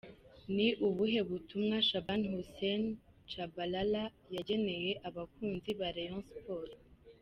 Ni ubuhe butumwa Shaban Hussein Tchabalala yageneye abakunzi ba Rayon Sports?.